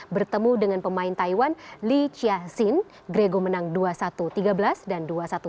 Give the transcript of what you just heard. bertemu dengan pemain taiwan li chia hsin gregor menang dua satu tiga belas dan dua satu tujuh